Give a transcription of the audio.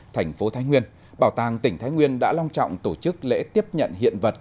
thành phố thái nguyên bảo tàng tỉnh thái nguyên đã long trọng tổ chức lễ tiếp nhận hiện vật